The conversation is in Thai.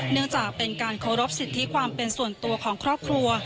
เนื่องจากเป็นการเคารพสิทธิความเป็นส่วนตัวของครอบครัว